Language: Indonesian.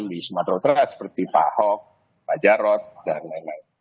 di sumatera utara seperti pak ahok pak jarod dan lain lain